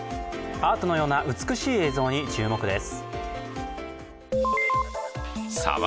アートのような美しい映像に注目です。